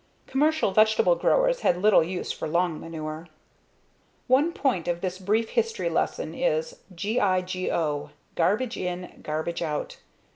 Commercial vegetable growers had little use for long manure. One point of this brief history lesson is GIGO: garbage in, garbage out.